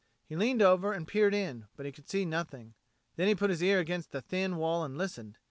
He leaned over and peered in, but he could see nothing. Then he put his ear against the thin wall and listened.